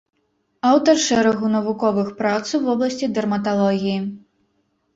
Аўтар шэрагу навуковых прац у вобласці дэрматалогіі.